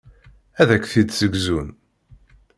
Ad ak-t-id-ssegzun.